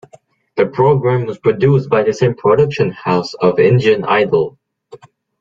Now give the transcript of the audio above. The program was produced by the same production house of "Indian Idol".